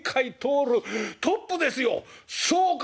「そうか！